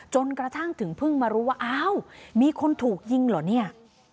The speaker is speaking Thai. จนกระทั่งถึงเพิ่งมารู้ว่าอ้าวมีคนถูกยิงเหรอเนี่ย